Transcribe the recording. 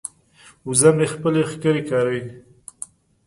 وزه مې خپلې ښکرې کاروي.